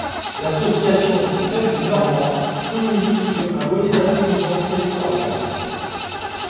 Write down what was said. L’Association Fête des Normands communique sur un volet d’intelligence territoriale.